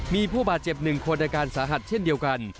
มีผู้บาดเจ็บ๑คนอาการสาหัสเช่นเดียวกัน